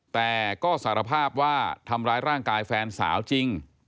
แต่ก็สารภาพว่าทำร้ายร่างกายแฟนสาวจริง